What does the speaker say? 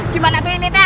gimana tuh ini dah